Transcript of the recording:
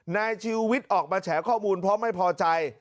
นายชีวิตออกมาแฉข้อมูลเพราะไม่พอใจ